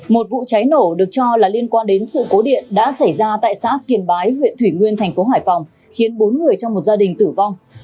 một vụ cháy nổ được cho là liên quan đến sự cố điện đã xảy ra tại xác kiền bái huyện thủy nguyên tp hải phòng khiến bốn người trong một gia đình tử vong